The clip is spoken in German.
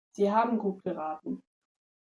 Sie haben gut geraten.